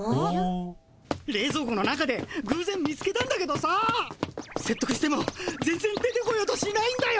れいぞう庫の中でぐうぜん見つけたんだけどさせっとくしても全ぜん出てこようとしないんだよ。